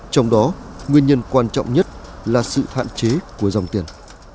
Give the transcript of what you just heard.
trong đó nguyên nhân quan trọng nhất là sự hạn chế của dòng tiền